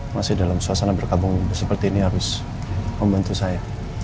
masih dalam suasana berkabung seperti ini harus membantu saya